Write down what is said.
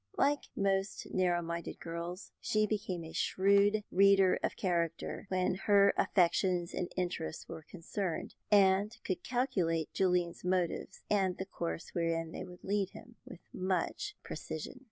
Like most narrow minded girls, she became a shrewd reader of character, when her affections and interests were concerned, and could calculate Julian's motives, and the course wherein they would lead him, with much precision.